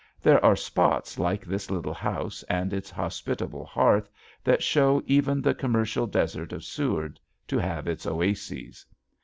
There are spots like this little house and its hospitable hearth that show even the commercial desert of Seward to have its oases.